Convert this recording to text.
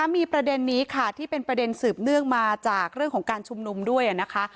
มีประเด็นนี้ค่ะที่เป็นประเด็นสืบเนื่องมาจากเรื่องของการชุมนุมด้วยนะคะ